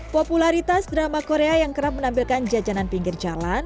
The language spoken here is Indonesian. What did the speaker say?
popularitas drama korea yang kerap menampilkan jajanan pinggir jalan